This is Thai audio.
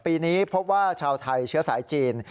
ปีนี้พบว่าชาวไทยเชื้อสายจีน